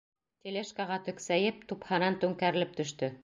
Тележкаға тексәйеп, тупһанан түңкәрелеп төштө.